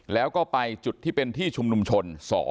แล้วก็ไปจุดที่เป็นที่ชุมนุมชน๒